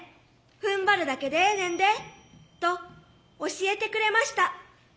ふんばるだけでええねんで」と教えてくれました。